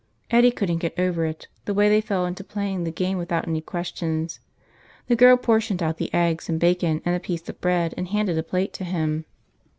Eddie couldn't get over it, the way they fell into playing the game without any questions. The girl portioned out the eggs and bacon and a piece of bread and handed a plate to him.